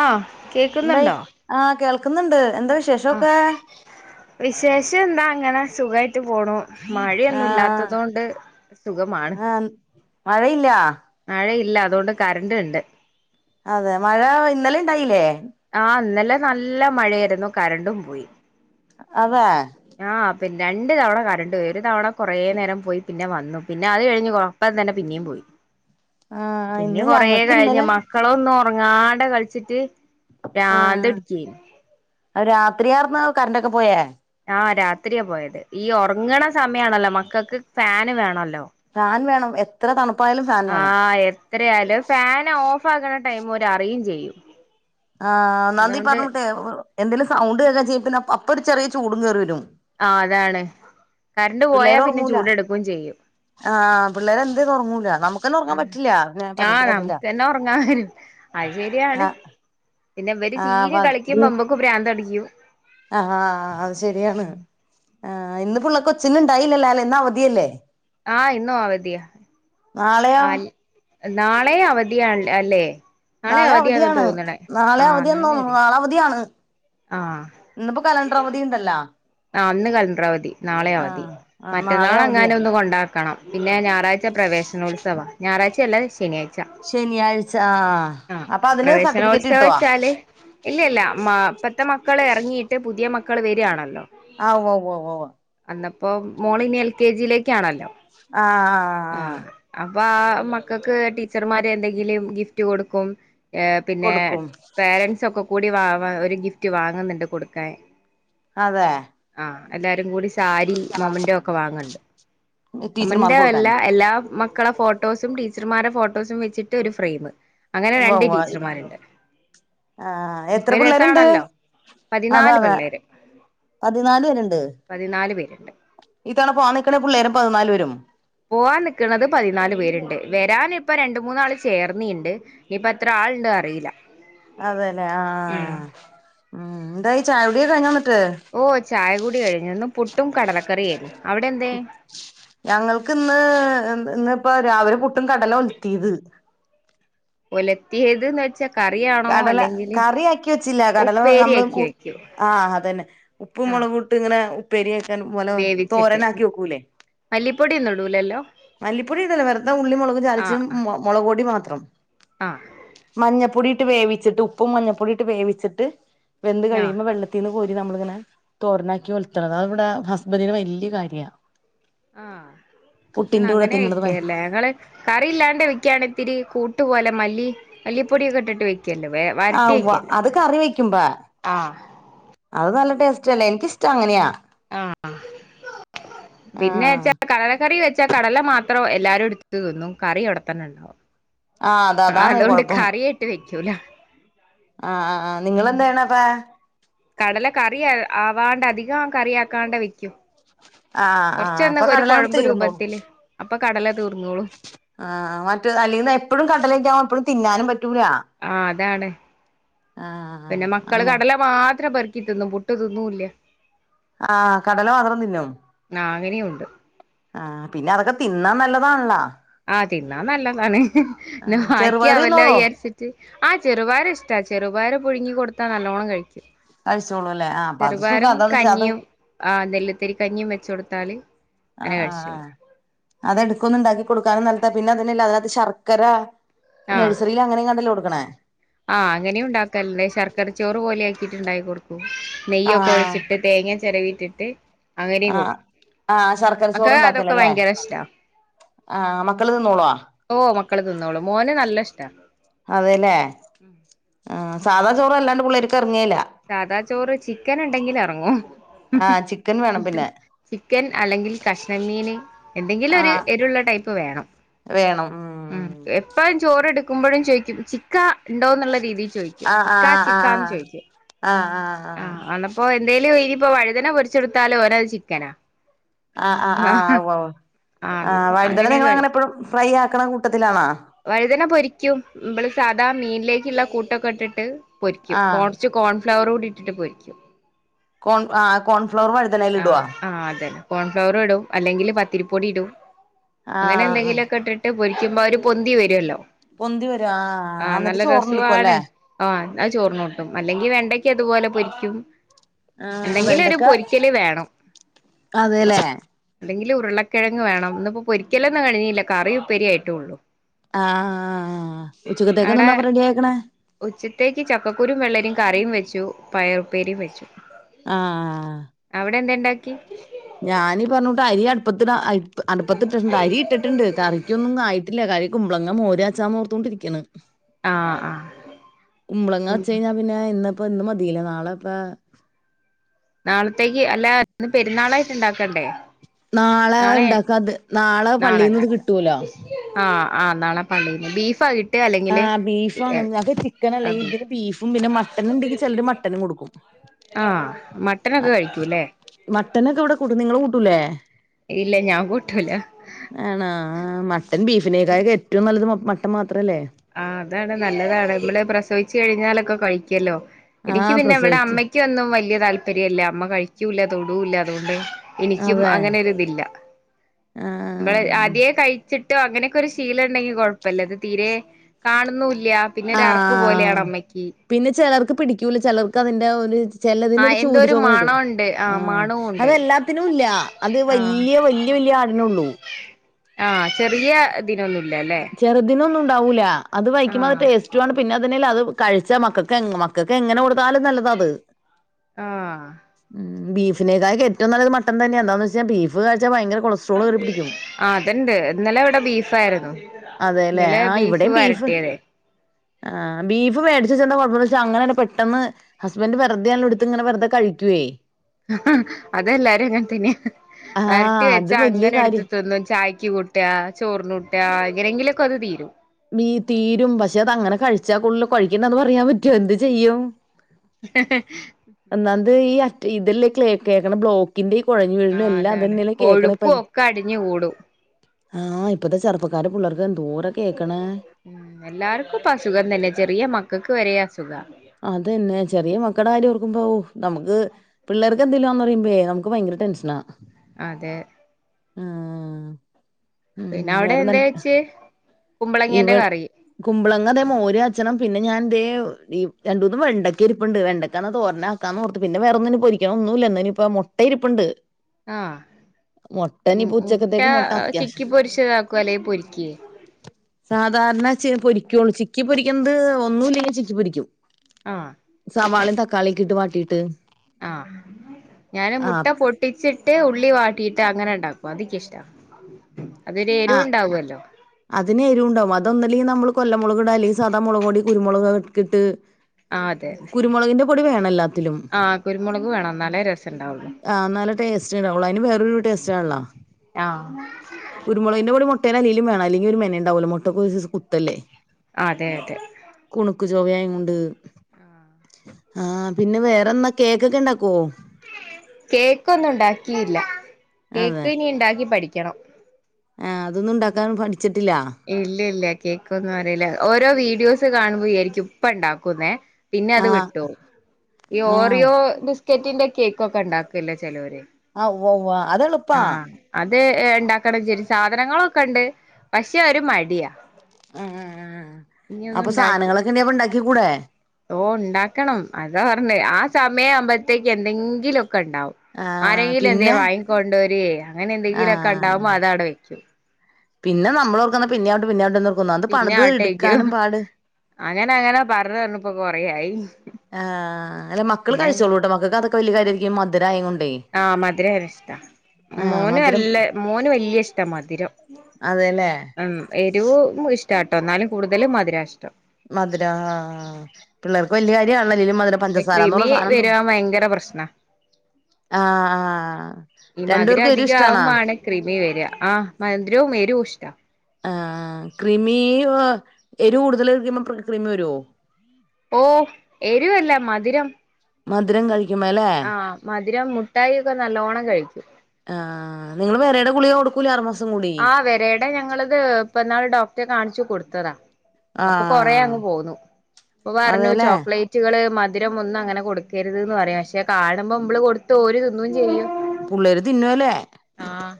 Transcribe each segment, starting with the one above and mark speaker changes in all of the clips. Speaker 1: ആഹ്
Speaker 2: എന്തായി
Speaker 1: കേക്ക്ന്ന്ണ്ടോ
Speaker 2: ആഹ് കേൾക്ക്ന്ന്ണ്ട് എന്താ വിശേഷൊക്കേ
Speaker 1: വിശേഷെന്താ അങ്ങനെ സുഖായിട്ട് പോണു മഴയൊന്നും
Speaker 2: ആഹ്
Speaker 1: ഇല്ലാത്തതോണ്ട് സുഖമാണ്
Speaker 2: ആഹ് മഴയില്ല
Speaker 1: മഴയില്ല അതോണ്ട് കറന്റ്ണ്ട്
Speaker 2: അതെ മഴാ ഇന്നലെണ്ടായിലേ?
Speaker 1: ആഹ് ഇന്നലെ നല്ല മഴേരുന്നു കരണ്ടും പോയി
Speaker 2: അതെ
Speaker 1: ആഹ് പിന്ന രണ്ട് തവണ കരണ്ട് പോയി ഒരു തവണ കൊറേ നേരം പോയി പിന്നെ വന്നു പിന്നെ അത് കഴിഞ്ഞ് കൊ അപ്പം തന്നെ പിന്നിംപോയി
Speaker 2: ആഹ് ഇന്ന് ഞങ്ങക്ക്
Speaker 1: കഴിഞ്ഞ്
Speaker 2: ഇന്നലെ
Speaker 1: മക്കളൊന്നും ഒറങ്ങാണ്ട കളിച്ചിട്ട് പ്രാന്ത്
Speaker 2: ആഹ്
Speaker 1: പിടിക്കേനി
Speaker 2: അത് രാത്രിയാർന്നോ കറന്റൊക്കെ പോയേ
Speaker 1: ആഹ് രാത്രിയാ പോയത് ഈ ഒറങ്ങണ സമയാണല്ലോ മക്കക്ക് ഫാന് വേണല്ലോ
Speaker 2: ഫാൻ വേണം എത്ര തണുപ്പായാലും ഫാൻ വേണം
Speaker 1: എത്ര ആയാലും ഫാന് ഓഫാക്ക്ണ ടൈമ് ഓലറിയും ചെയ്യും
Speaker 2: ആ നന്ദി
Speaker 1: അതുകൊണ്ട്
Speaker 2: പറഞ്ഞൂട്ടെ എന്തേലും സൗണ്ട് കേക്കെ ചെയ്യ പിന്നെ അപ്പൊ ഒരു ചെറിയ ചൂടും കേറി വരും
Speaker 1: ആഹ് അതാണ് കറണ്ട് പോയാ
Speaker 2: പിള്ളേര്
Speaker 1: പിന്നെ
Speaker 2: ഒറങ്ങൂല
Speaker 1: ചൂടെടുക്കയും ചെയ്യും
Speaker 2: ആഹ് പിള്ളേരെ എന്തെയ്തെ ഒറങ്ങൂല നമുക്ക്
Speaker 1: ആ ആഹ് നമുക്കന്നെ ഒറങ്ങാൻ കഴണില്ല അത് ശരിയാണ്
Speaker 2: ആഹ്
Speaker 1: പിന്നെ ഇവര്
Speaker 2: ആഹ് അപ്പ
Speaker 1: ചീഞ് കളിക്കുമ്പോ അമ്മക്കും ഭ്രാന്ത അടിക്കും
Speaker 2: ആഹാ അത് ശരിയാണ് ആ് ഇന്ന് പിള്ളക്ക കൊച്ചിന ഇണ്ടായില്ല ല്ലേ? ഇന്ന് അവധിയല്ലേ?
Speaker 1: ആഹ് ഇന്നും അവധിയ
Speaker 2: നാളെയോ
Speaker 1: ആ നാളെ അവധിയാണ് അല്ലെ? നാളേം
Speaker 2: നാളെ
Speaker 1: അവധിയാന്ന
Speaker 2: അവധിയാണ്
Speaker 1: തോന്ന്ണെ
Speaker 2: നാളെ
Speaker 1: ആഹ്
Speaker 2: അവധിയാന്ന്
Speaker 1: നാളെ അവധി
Speaker 2: അവധിയാണ്
Speaker 1: ആഹ്
Speaker 2: ഇന്ന്പ്പോ കലണ്ടർ അവധിയ്ണ്ടല്ലാ?
Speaker 1: ആഹ് ഇന്ന് കലണ്ടറവതി നാളെ അവതി
Speaker 2: ആഹ് ആഹ് നാളെ അവധിയാ
Speaker 1: മറ്റന്നാളെങ്ങാനും ഒന്ന് കൊണ്ട ക്കണം പിന്നെ ഞായറാഴ്ച പ്രവേശോത്സവ ഞായറാഴ്ചയല്ലാ ശനിയായ യ്ച്ച
Speaker 2: ശനിയാഴ്ച ആഹ്
Speaker 1: ആഹ്
Speaker 2: അപ്പൊ അതിന് സർട്ടിഫിക്കറ്റ്
Speaker 1: പ്രവേശനോത്സവം
Speaker 2: കിട്ടോ ആഹ്
Speaker 1: വെച്ചാല് ഇല്ല ഇല്ല മ ഇപ്പത്തെ മക്കൾ എറങ്ങിയിട്ട് പുതിയ മക്കൾ വരാണല്ലോ
Speaker 2: ആഹ് ഒവ്വ് ഒവ്
Speaker 1: അന്നപ്പോ മോളിനി എൽ കെ ജിയിലേക്കാണല്ലോ ആ
Speaker 2: ആഹ്
Speaker 1: അപ്പൊ ആഹ് മക്കക്ക് ടീച്ചർമാര് എന്തെങ്കിലും ഗിഫ്റ്റ് കൊടുക്കും പിന്നെ
Speaker 2: കൊടുക്കും
Speaker 1: പേരൻറ്സ് ഒക്കെ കൂടി വാ ഒരു ഗിഫ്റ്റ് വാങ്ങുന്നുണ്ട് കൊടുക്കാൻ
Speaker 2: അതെ
Speaker 1: ആഹ് എല്ലാരും കൂടി സാരി മൊമൻറ്റോ ഒക്കെ വാങ്ങണ്ട് ഉമ്മന്റെ
Speaker 2: ടീച്ചർമാർക്ക് കൊടുക്കാൻ
Speaker 1: എല്ല എല്ലാ മക്കളെ ഫോട്ടോ ഫോട്ടോസും ടീച്ചർമാരുടെ ഫോട്ടോസും വെച്ചിട്ട് ഒരു ഫ്രെയിം അങ്ങനെ
Speaker 2: ഉവ്വ്
Speaker 1: രണ്ട്
Speaker 2: ഉവ്വ്
Speaker 1: ടീച്ചർമാരുണ്ട്
Speaker 2: ആഹ് എത്ര
Speaker 1: ഒക്കെ
Speaker 2: പിള്ളേര്ണ്ട്?
Speaker 1: രസാണല്ലോ
Speaker 2: അതെ
Speaker 1: പതിനാല്
Speaker 2: അതെ
Speaker 1: പിള്ളേര്
Speaker 2: പതിനാല് പേര്ണ്ട്
Speaker 1: പതിനാല് പേര്ണ്ട്
Speaker 2: നിക്കണ പിള്ളേരും പതിനാല് പേരും
Speaker 1: പോവാൻ നിക്ക്ണത് പതിനാാലു പേരുണ്ട് വരന്പ്പൊ രണ്ട് മൂന്നാള് ചേർന്നിണ്ട് ഇഞ്പ്പെത്ര ആള്ണ്ട് അറീല്ല
Speaker 2: അതേല്ലേ? ആഹ് ഉം എന്തായി ചായ കുടിയൊക്കെ കഴിഞ്ഞെന്നിട്ട്?
Speaker 1: ഓഹ് ചായ കുടി കഴിഞ്ഞു ഇന്ന് പുട്ടും കടലക്കറിയു ആയിരുന്നു. അവിടെന്തേ?
Speaker 2: ഞങ്ങൾക്ക്ന്ന് ഇന്ന് പ്പൊ രാവിലെ പുട്ടും കടല ഒൽത്തിയത്
Speaker 1: ഒലത്തിയത് ന്ന് വച്ചാ
Speaker 2: കടല കറി ആക്കി വെച്ചില്ല കടല നമ്മള്
Speaker 1: ഉപ്പേരിയാക്കി
Speaker 2: കു
Speaker 1: വെക്കും
Speaker 2: ആഹ് അതന്നെ ഉപ്പും
Speaker 1: ആ
Speaker 2: മുളകുട്ട് ങ്ങനെ ഉ ഉപ്പേരി വെക്കാൻ പോലെ
Speaker 1: വേവിച്ചിട്ട്
Speaker 2: തോരനാക്കി വെക്കൂലേ
Speaker 1: മല്ലിപ്പൊടിയൊന്നും ഇടൂലല്ലോ
Speaker 2: മല്ലിപ്പൊടി ഇടൂല വെറുത ഉള്ളിയും മുളകും
Speaker 1: ആ
Speaker 2: ചാലിച്ച്
Speaker 1: ആ
Speaker 2: മൊ മൊളക് ‌പൊടി മാത്രം
Speaker 1: ആഹ്
Speaker 2: മഞ്ഞപ്പൊടിയിട്ട് വേവിച്ചിട്ട് ഉപ്പും മഞ്ഞപ്പൊടിയിട്ട് വേവിച്ചിട്ട് വെന്ത്
Speaker 1: ആഹ്
Speaker 2: കഴിയുമ്പോ വെള്ള ത്തിന്ന് കോരി നമ്മളിങ്ങനെ തോരനാക്കി ഒൽത്ത്ണത്. അത് വടെ ഹസ്ബന്റിന് വല്ല്യ കാര്യാ.
Speaker 1: ആഹ്
Speaker 2: പുട്ടിന്റെ കൂടെ
Speaker 1: ങ്ങളങ്ങനെ
Speaker 2: തിന്നണത് ഭയ
Speaker 1: വെയ്ക്കല്ലേ ഞങ്ങള് കറിയില്ലാണ്ട് വെക്കയാണെ ഇത്തിരി കൂട്ടുപോലെ മല്ലി മല്ലിപ്പൊടിയൊക്കെ ഇട്ടിട്ട് വെ ക്കല്ലൊ വേവ
Speaker 2: ആഹ് ഉവ്വ അത് കറി വെക്കുമ്പാ
Speaker 1: ആഹ്
Speaker 2: അത് നല്ല ടേസ്റ്റ് അല്ലേ എനിക്കിഷ്ടം അങ്ങനെയാ
Speaker 1: ആഹ് ആഹ്
Speaker 2: ആ
Speaker 1: പിന്നെന്നു വെച്ചാ കടലക്കറി വെച് ച്ചാ കടല മാത്രം എല്ലാവരും എടുത്തുട്ട് തിന്നും കറി അവിടെ തന്നെ ഉണ്ടാവും.
Speaker 2: ആ അത അതാണ്
Speaker 1: അതുകൊണ്ട്
Speaker 2: കൊഴപ്പം
Speaker 1: കറി ആയിട്ട് വെക്കൂല.
Speaker 2: ആഹ് ആഹ് ആഹ് നിങ്ങളെന്താ ചെയ്യ്ണ പ്പോ?
Speaker 1: കടല കറി ആവാണ്ട് അധികം കറി ആക്കാണ്ട് വെക്കും.
Speaker 2: ആഹ് ആഹ് അപ്പൊ
Speaker 1: കൊറച്ചൊന്ന് ഒരു
Speaker 2: കടല അങ്ങട്
Speaker 1: കൊഴമ്പ്
Speaker 2: തീർന്നോളും
Speaker 1: രൂപത്തില് അപ്പൊ കടല തീർന്നോളും
Speaker 2: ആഹ് മറ്റെത് അല്ലിന്നെപ്പഴും കടലക്കെ ആകുമ്പൊ എപ്പഴും തിന്നാനും പറ്റൂല
Speaker 1: ആഹ് അതാണ്
Speaker 2: ആ
Speaker 1: പിന്നെ മക്കള്
Speaker 2: അങ്ങനെ
Speaker 1: കടല മാത്രം പെറുക്കി തിന്നും പുട്ട് തിന്നൂല്ല.
Speaker 2: ആഹ് കടല മാത്രം തിന്നും.
Speaker 1: ആ അങ്ങനെയുണ്ട്
Speaker 2: ആഹ് പിന്നെ അതൊക്കെ തിന്നാൻ നല്ലതാണല്ലോ.
Speaker 1: ആഹ് തിന്നാൻ നല്ലതാണ്
Speaker 2: ആ
Speaker 1: പിന്ന
Speaker 2: ചെറുപയറ്
Speaker 1: ബാക്കിയാവല്ലൊ
Speaker 2: തിന്നോളോ
Speaker 1: വിചാരിച്ച് റ്റ് ആഹ് ചെറുപയറ് ഇഷ്ടാ ചെറുപയറ് പുഴുങ്ങി കൊടുത്താ നല്ലോണം കഴിക്കും.
Speaker 2: കഴിച്ചോളൂ അല്ലേ ആ അപ്പൊ അത് സുഖം
Speaker 1: ചെറുപയറും
Speaker 2: അതാന്ന് വെച്ചാ അത്
Speaker 1: കഞ്ഞിയും ആഹ് നെല്ലുത്തരി കഞ്ഞിയും വെച്ചു കൊടുത്താല്
Speaker 2: ആഹ്
Speaker 1: അങ്ങനെ
Speaker 2: ആഹ്
Speaker 1: കഴിച്ചോളും
Speaker 2: ആഹ് അതെടക്കൊന്നും ഉണ്ടാക്കി കൊടുക്കാനും നല്ലതാ പിന്നെ അത് തന്നെല്ല അതിനകത്ത് ശർക്കര നഴ്സറിയിൽ അങ്ങനെയെ ങ്ങാണ്ടല്ലോ കൊടുക്കണേ.
Speaker 1: ആഹ് അങ്ങനെയും ഉണ്ടാക്കൽ ണ്ട്. ശർക്കരച്ചോറ് പോലെ ആക്കിട്ട് ഉണ്ടാക്കി കൊടുക്കും നെയ്യൊക്കെ
Speaker 2: ആഹ്
Speaker 1: ഒഴിച്ചിട്ട് തേങ്ങ ചെരവിട്ടിട്ട്
Speaker 2: ആഹ് ആഹ് ശർക്കര ചോറ്
Speaker 1: മക്കക്ക് അതൊക്കെ
Speaker 2: ഉണ്ടാക്കലല്ലേ
Speaker 1: ഭയങ്കര ഇഷ്ടാ
Speaker 2: ആഹ് മക്കള് തിന്നോളോ?
Speaker 1: ഓഹ് മക്കള് തിന്നോളും മോന് നല്ല ഇഷ്ടാ
Speaker 2: അതെല്ലേ ആഹ് സാദാ ചോറ് അല്ലാണ്ട് പുള്ളേർക്ക് എറങ്ങേല
Speaker 1: സാദാ ചോറ് ചിക്കന്ണ്ടെങ്കിലെ റങ്ങും
Speaker 2: ആഹ് ചിക്കൻ വേണം പിന്നെ
Speaker 1: ചിക്കൻ അല്ലെങ്കിൽ കഷ്ണം മീന് എന്തെങ്കിലും ഒരു
Speaker 2: ആഹ്
Speaker 1: എരുള്ള ടൈപ്പ് വേണം. ഉം എപ്പഴും ചോറെടുക്കുമ്പഴും ചോയ്ക്കും ചിക്ക ണ്ടോ ന്നുള്ള രീതിൽ ചോയ്ക്കും
Speaker 2: ആഹ്
Speaker 1: ചിക്കാ
Speaker 2: ആഹ്
Speaker 1: ചിക്കാന്ന്
Speaker 2: ആഹ്
Speaker 1: ചോയ്ക്കും
Speaker 2: ആഹ് ആഹ് ആഹ്
Speaker 1: അന്നപ്പോ എന്തേലും ഇനി പ്പൊ വഴുതന പൊരിച്ചൊടുത്താലും ഓനത് ചിക്കനാ
Speaker 2: ആഹ് ആഹ് ആഹ് വൊ ആഹ്
Speaker 1: അന്നപ്പോ
Speaker 2: വഴുതന നിങ്ങള് അങ്ങനെ
Speaker 1: കഴിക്കും
Speaker 2: എപ്പഴും ഫ്രൈ ആക്ക്ണ കൂട്ടത്തിലാണോ?
Speaker 1: വഴുതന പൊരിക്കും നമ്മള് സാധാ മീനിലേക്കുള്ള കൂട്ടൊക്കെ ഇട്ടിട്ട് പൊരിക്കും
Speaker 2: ആഹ്
Speaker 1: കുറച്ച കോൺഫ്ലവർ കൂടി ഇട്ടിട്ട് പൊരിക്കും
Speaker 2: കോൺ ആ കോൺഫ്ലോർ വഴുതനയിൽ ഇടുവാ
Speaker 1: ആഹ് ആഹ് അതെ കോൺഫ്ലവറ് ഇടും അല്ലെങ്കിൽ പത്തിരിപ്പൊടി ഇടും അങ്ങനെ
Speaker 2: ആഹ് ആഹ്
Speaker 1: എന്തെങ്കിലുവൊക്കെ ഇട്ടിട്ട് പൊരിക്കുമ്പോ ആ ഒരു പൊന്തി വരുവല്ലോ
Speaker 2: പൊന്തി വരും ആഹ് ആഹ് ആഹ് എന്നിട്ട് ചോറിനെടുക്കുവല്ലേ
Speaker 1: ആഹ് അത് ചോറിനൂട്ടും അല്ലെങ്കി വെണ്ടക്ക ഇതുപോലെ പൊരിക്കും
Speaker 2: ആഹ്
Speaker 1: എന്തെങ്കിലും ഒരു
Speaker 2: വെണ്ടക്ക
Speaker 1: പൊരിക്കല് വേണം
Speaker 2: അതേല്ലേ
Speaker 1: അല്ലെങ്കില് ഉരുളക്കിഴങ്ങ് വേണം ഇന്നിപ്പോ പൊരിക്കലൊന്നും കഴിഞ്ഞീല്ല കറി ഉപ്പേരിയായിട്ടേള്ളൂ
Speaker 2: ആഹ് ആഹ് ആഹ്
Speaker 1: അവിടെ
Speaker 2: ഉച്ചക്കത്തേക്കന്നാ പ്പറെഡി ആക്കണേ
Speaker 1: ഉച്ചത്തേക്ക് ചക്കക്കുരു വെള്ളകരിം കറീം വെച്ചു പയറുപ്പേരിയും വെച്ചു
Speaker 2: ആഹ്
Speaker 1: അവിടെ എന്തണ്ടാക്കി
Speaker 2: ഞാനീ പറഞ്ഞോട്ട് അരി അടുപ്പത്തിട അടുപ്പത്തിട്ടിട്ടുണ്ട് അരി ഇട്ടിട്ടുണ്ട് കറിക്കൊന്നുംന്ന് ആയിട്ടില്ല കരി കുമ്പളങ്ങ മോര്കാച്ചാ ഓർത്തോണ്ടിരിക്കാണ്
Speaker 1: ആഹ് ആഹ്
Speaker 2: കുമ്പളങ്ങവെച്ച് കഴിഞ്ഞ പിന്നെ ഇന്ന് ഇപ്പ ഇന്ന് മതിയില്ല നാളെ ഇപ്പ
Speaker 1: നാളത്തേക്ക് അല്ലാ ഇന്ന് പെരുന്നാളായിട്ട് ഇണ്ടാക്കണ്ടേ
Speaker 2: നാളെ ഇണ്ടാക്ക അത് നാളെ പള്ളീന്നത് കിട്ടുല
Speaker 1: ആഹ് ആഹ് നാളെ പള്ളിന്ന് ബീഫാ കിട്ട
Speaker 2: ആഹ് ബീഫാണ് ചിക്കൻ അല്ലേ
Speaker 1: അതെ
Speaker 2: ഇതിന് ബീഫും പിന്നെ മട്ടനിണ്ടെങ്കി ചെലര് മട്ടനും കൊടുക്കും
Speaker 1: ആഹ് മട്ടനൊക്കെ കഴിക്കൂല്ലേ
Speaker 2: മട്ടനൊക്കെവിടെ കൂട്ടും നിങ്ങള് കൂട്ടൂലേ
Speaker 1: ഇല്ല ഞാൻ കൂട്ടൂല
Speaker 2: ആണോ മട്ടൻ ബീഫിനേക്കായൊക്കെ ഏറ്റവും നല്ലത് മട്ടൻ മാത്രല്ലേ
Speaker 1: ആഹ് അതാണ് നല്ലതാണ് ഇമ്മള് പ്രസവിച്ചു കഴിഞ്ഞാലൊക്കെ കഴിക്കല്ലോ
Speaker 2: ആ
Speaker 1: എനിക്ക് പിന്നെ ഇവിടെ
Speaker 2: പ്രസവിച്ച്
Speaker 1: അമ്മയ് ക്കൊന്നും വല്യ താല്പര്യല്ല അമ്മ കഴിക്കൂല്ല തൊടൂല്ല അതുകൊണ്ട് എനിക്കും
Speaker 2: അതെ
Speaker 1: അങ്ങനെ ഒരു ഇതില്ല
Speaker 2: ആ
Speaker 1: ഇമ്പള് ആദ്യേ കയ് ചിട്ടും അങ്ങനൊക്കൊരു ശീലംണ്ടെങ്കി കൊഴപ്പല്ല ഇത് തീരെ കാണുന്നുല്ല്യ പിന്നെ
Speaker 2: ആ
Speaker 1: ഒരു അറപ്പ് പോലെയാണമ്മക്ക്
Speaker 2: പിന്നെ ചെലർക്ക് പിടിക്കൂല ചെലർക്ക് അതിന്റെ ഒരു ചെലതിനൊരു
Speaker 1: ആഹ് എന്തോ
Speaker 2: ചൂര്
Speaker 1: ഒരു
Speaker 2: ചൊവ വരും
Speaker 1: മണം ഉണ്ട്
Speaker 2: ആഹ്
Speaker 1: മണവും ഉണ്ട്
Speaker 2: അതെല്ലാ ത്തിനുല്ല അത്
Speaker 1: ആഹ്
Speaker 2: വല്ല്യ വല്ല്യ വല്ല്യ ആടിനുള്ളൂ
Speaker 1: ആഹ് ചെറിയ ഇതിനൊന്നുല്ല്യല്ലേ
Speaker 2: ചെറുതിനൊന്നും ഉണ്ടാവൂല അത് വയ്ക്കുമ്പോ അത്
Speaker 1: ആഹ്
Speaker 2: ടേസ് റ്റുവാണ് പിന്നെ അതന്നേല്ല അത് കഴിച്ച മക്കക്ക് എങ്ങ് മക്കക്ക് എങ്ങനെ കൊടുത്താലും നല്ലതാ അത്
Speaker 1: ആഹ്
Speaker 2: ഉം ബീഫിനേക്കാ ഏറ്റവും നല്ലത് മട്ടൻ തന്നെയാ എന്താന്ന് വച്ചാ ബീഫ് കഴിച്ച ഭയങ്കര കൊളസ്ട്രോള് കേറിപ്പിടിക്കും
Speaker 1: ആഹ് അത്ണ്ട് ഇന്നലെ ഇവടെ ബീഫാരുന്നു
Speaker 2: അതേല്ലേ ആഹ് ഇവിടെയും ബീഫ് ആഹ് ബീഫ് മേടിച്ചെച്ച എന്താ കൊഴപ്പന്നെച്ചാ അങ്ങനണ്ട് പെട്ടെന്ന് ഹസ്ബന്റ് വെറുതെയാണെലും എടുത്തിങ്ങനെ വെറുതെ കഴിക്കുവേ
Speaker 1: അതെല്ലാരും അങ്ങനതന്നെയാ
Speaker 2: ആഹ് അത്
Speaker 1: വരട്ടിവെച്ചാ
Speaker 2: വല്യ
Speaker 1: അങ്ങനെ
Speaker 2: കാര്യ
Speaker 1: എടുത്ത് തി തിന്നും ചായക്ക് കൂട്ടാ ചോറിനൂട്ടാ എങ്ങനെങ്കിലുക്ക അത് തീരും
Speaker 2: ബീ തീരും പക്ഷെ അത് അങ്ങനെ കഴിച്ചാ കൊള്ളൂല കഴിക്കണ്ടാന്ന് പറയാൻ പറ്റോ എന്ത് ചെയ്യും
Speaker 1: [inaudible]
Speaker 2: ഒന്നാമത് ഈ അറ്റ് ഇതല്ലേ ക്ലേ കേക്കണ് ബ്ലോക്ക് ഇന്റെ ഈ കൊഴഞ്ഞ്
Speaker 1: ആ
Speaker 2: വീഴല് എല്ലാം
Speaker 1: അതാണ്
Speaker 2: അതന്നെയല്ലെ കേക്ക്ണ്പ്പ
Speaker 1: കൊഴുപ്പും ഒക്കെ അടിഞ്ഞു കൂടും
Speaker 2: ആഹ് ഇപ്പത്തെ ചെറുപ്പക്കാര് പുള്ളോർക്ക് എന്തോര കേക്കണെ
Speaker 1: ഹ്മ്മ്, എല്ലാർക്കും ഇപ്പ അസുഖം തന്നെ ചെറിയ മക്കൾക്ക് വരെ അസുഖാ
Speaker 2: അതന്നെ ചെറിയ മക്കട കാര്യം ഓർക്കുമ്പോ ഔ നമുക്ക് പിള്ളേർക്ക് എന്തെലോന്നറിമ്പേ നമുക്ക് ഭയങ്കര ട്ടെൻഷനാ
Speaker 1: അതെ.
Speaker 2: ആഹ്. ഉം
Speaker 1: പിന്നെ അവിടെ എന്തേ
Speaker 2: വേറെന്താ
Speaker 1: ചേച്ചിയെ കുമ്പളങ്ങേന്റെ കറി
Speaker 2: കുമ്പളങ്ങതേ മോര് കാച്ചണം പിന്നെ ഞാൻ ഇതേ ഈ രണ്ടുമൂന്ന് വെണ്ടക്ക ഇരിപ്പുണ്ട് വെണ്ടക്കന്നാ തോരനാക്കാന്നോ ർത്തു പിന്നെ വെറൊന്നിനും പൊരിക്കാനൊന്നുല്ല ഇനിപ്പ മു ട്ട ഇര്പ്പുണ്ട്
Speaker 1: ആഹ്, മു മുട്ട
Speaker 2: ഉച്ചക്കത്തേക്ക്
Speaker 1: ചിക്കി
Speaker 2: അത്യാവശ്യം
Speaker 1: പൊരിച്ചതാക്കെ അല്ലെ പൊരിക്കേ
Speaker 2: സാധാരണ ചെ പൊരിക്കൊള്ളൂ ചിക്കി പൊരിക്കുന്നത് ഒന്നുല്ലെങ്കി ചിക്കി പൊരിക്കും
Speaker 1: ആഹ്.
Speaker 2: സവാളിമ് തക്കാളിയൊക്കെ ഇട്ട് വാട്ടിട്ട്
Speaker 1: ആഹ് ഞാന് മുട്ട പൊ ട്ടിച്ചിട്ട് ഉള്ളി വാട്ടിട്ട് അങ്ങനെ ഇണ്ടാക്കും അതിക്കിഷ്ട്ടാ, അതൊര് എരു
Speaker 2: ആഹ്
Speaker 1: ഉണ്ടാവല്ലോ
Speaker 2: അതിന് എരു ഇണ്ടാവും. അതൊന്നലി നമ്മള് കൊല്ലം മൊളക് ഇടാ അല്ലെങ്കി സാധാ മൊളക്പൊടി കുരുമുളക് അതൊക്കെ ഇട്ട്
Speaker 1: ആ അതെ
Speaker 2: കുരുമൊളകിന്റെ പൊടി വേണല്ലാ
Speaker 1: ആഹ് കുരുമൊളക് വേണം എന്നാലേ രസണ്ടാവൊള്ളു
Speaker 2: ആഹ് നല്ല ടേസ്റ്റ് ഇണ്ടാവൊള്ളൂ അയ്ന് വേറൊരു ട്ടേസ്റ്റാണള്ളാ
Speaker 1: ആഹ്.
Speaker 2: കുരുമൊളകിന്റെ പൊടി മൊട്ടേല് അലിലും വേണം അല്ലെങ്കി ഒരു മെന ഉണ്ടാവൂല മൊട്ടക്ക് ഒരു സൈസ് കുത്തല്ലേ
Speaker 1: ആഹ് അതെ അതെ.
Speaker 2: കുണുക്ക് ചൊവ്വായിതു കൊണ്ട് ആഹ് പിന്നെ വേറെന്നാ കേക്കൊക്കെ ഇണ്ടാക്കോ?
Speaker 1: കേക്കൊന്നും ഇണ്ടാക്കില്ല, കേക്ക് ഇനി ഇണ്ടാക്കി പഠിക്കണം
Speaker 2: ആഹ് അതൊന്നും ഇണ്ടാക്കാൻ പഠിച്ചിട്ടില്ല
Speaker 1: ഇല്ല ഇല്ല കേക്കൊന്നും അറീല ഓരോ വീഡിയോസ് കാണുമ്പോ വിചാരിക്കും ഇപ്പ ഇണ്ടാക്കുന്നേ പിന്നെ അത്
Speaker 2: ആഹ്
Speaker 1: വിട്ടു, ഈ
Speaker 2: ആഹ്
Speaker 1: ഓറിയോ ബിസ്ക്കറ്റിന്റെ കേക്കൊക്കെ ഇണ്ടാക്കല്ലോ ചെലോര്
Speaker 2: ആഹ് ഉവ്വ ഉവ്വ അതെള്
Speaker 1: ആഹ് അത് ഇണ്ടാക്കണങ്കിൽ സാധനങ്ങളൊക്കെ ഇണ്ട് പക്ഷെ ഒര് മടിയാ
Speaker 2: ഹ്മ്മ്,
Speaker 1: ഇനി ഒന്നും
Speaker 2: അപ്പൊ സാധനങ്ങളൊക്കെ ഇണ്ടെങ്കി അപ്പം ഇണ്ടാക്കി കൂടെ
Speaker 1: ഓഹ് ഇണ്ടാക്കണം അതാ പറ്ഞ്ഞേ ആ സമയാവുമ്പഴ്ത്തേക്ക് എന്തെങ്കിലൊക്കെ ഇണ്ടാവും
Speaker 2: ആഹ്
Speaker 1: ആരെങ്കിലും എന്തേ
Speaker 2: പിന്നെ
Speaker 1: വാങ്ങി കൊണ്ടോരേ അങ്ങനെ എന്തെങ്കിലൊക്കെ
Speaker 2: ആഹ്
Speaker 1: ഇണ്ടാവുമ്പോ അതവിടെ വെക്കും
Speaker 2: പിന്നെ നമ്മളോർക്കാ പിന്നാട്ട് പിന്നാട്ട് നിന്നൊട്ക്കും ഒന്നാമത്
Speaker 1: പിന്നെ
Speaker 2: പണിത്
Speaker 1: ആട്ടേക്കും
Speaker 2: ഇട്ക്കാനും പാട്
Speaker 1: അങ്ങനെ അങ്ങനെ പറഞ്ഞ് പറഞ്ഞ്പ്പ കൊറെയായി
Speaker 2: ആഹ് അല്ല മക്കള് കഴിച്ചോളുംട്ടോ മക്കൾക്കതൊക്കെ വല്യ കാര്യായ്രിക്കു മധുരായോണ്ടേ
Speaker 1: ആഹ് മധുരം ആയ ഇഷ്ടാ മോന്
Speaker 2: മധുരം
Speaker 1: നല്ല മോന് വല്യ ഇഷ്ടാ മധുരം
Speaker 2: അതെല്ലേ
Speaker 1: എരുവും ഇഷ്ടാട്ടോ ഇന്നാലും കൂടുതല് മധുരാ ഇഷ്ടം
Speaker 2: മധുരം ആഹ് പിള്ളാർക്ക് വല്യ കാര്യണല്ലെ [unintelligible] മധുരം
Speaker 1: ലെ
Speaker 2: പഞ്ചസാരന്ന്
Speaker 1: കൃമി
Speaker 2: പറഞ്ഞ സാധനം തിന്നും
Speaker 1: വര്യാൻ ഭയങ്കര പ്രശ്നാ
Speaker 2: ആഹ്
Speaker 1: ഈ
Speaker 2: രണ്ടു
Speaker 1: മധുരം
Speaker 2: പേർക്കും എരു
Speaker 1: അധികം
Speaker 2: ഇഷ്ടാണോ
Speaker 1: ആവുമ്പാണ് കൃമി വെരാ, ആഹ് മധുരവും എരു ഇഷ്ടാ
Speaker 2: ആഹ് ക്രിമിയുവ എരിവ് കൂടുതൽ കഴിക്കുമ്പോ ക്രിമി വരുവോ
Speaker 1: ഓഹ് എരുവല്ല മധുരം
Speaker 2: മധുരം കഴിക്
Speaker 1: ആഹ് മധുരം മുഠായി ഒക്കെ നല്ലോണം കഴിക്കും
Speaker 2: ആഹ് നിങ്ങൾ വെരേടെ ഗുളിക കൊടുക് ക്കൂലേ ആറ് മാസം കൂടി
Speaker 1: ആഹ് വെരേടെ ഞങ്ങളത് ഇപ്പന്നാള് ഡോക്ടറെ കാണിച്ചു കൊടുത്തതാ അപ്പൊ കൊറേ
Speaker 2: ആഹ്
Speaker 1: അങ്ങ് പോന്നു അപ്പൊ പറഞ്ഞു
Speaker 2: അതെല്ലേ
Speaker 1: ചോക്ലേറ്റ് റ്റ് കള് മധുരം ഒന്നും അങ്ങനെ കൊടുക്കരുത് ന്ന് പറയും പക്ഷെ കാണുമ്പോ നമ്മള് കൊടുത്ത് പോവും ഓര് തിന്നും ചെയ്യും
Speaker 2: പുള്ളേര് തിന്നും അല്ലേ
Speaker 1: ആഹ്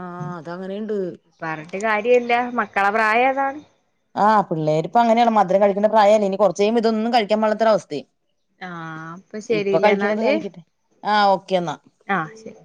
Speaker 2: ആഹ് അത അങ്ങനെയുണ്ട്
Speaker 1: പറഞ്ഞിട്ട് കാര്യല്ല മക്കളെ പ്രായം അതാണ്
Speaker 2: ആഹ് പിള്ളേരി ഇപ്പ അങ്ങനെയാണ് മധുരം കഴിക്കണ്ട പ്രായല്ലേ ഇനി കുറച്ചേയ്യുമ്പം ഇതൊന്നും കഴിക്കാൻ പാട് ഇല്ലാത്ത അവസ്ഥയും
Speaker 1: ആഹ് അപ്പൊ
Speaker 2: ഇപ്പൊ
Speaker 1: ശരില്ലേ
Speaker 2: കഴിക്കണത്
Speaker 1: എന്നാല്
Speaker 2: കഴിക്കട്ടെ ആഹ് ഓക്കെ എന്നാ
Speaker 1: ആഹ് ശരി